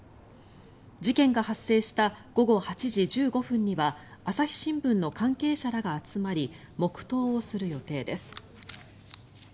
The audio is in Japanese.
事件が発生した午後８時１５分には朝日新聞の関係者らが集まり黙祷をする予定です。